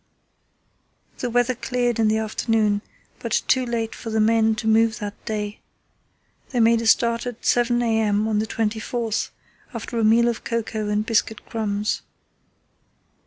The weather cleared in the afternoon, but too late for the men to move that day. They made a start at 7 a.m. on the 24th after a meal of cocoa and biscuit crumbs.